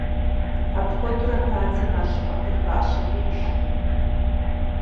Апхуэдэурэ бадзэм ар щӏыпӏэ дахащэм ешэ.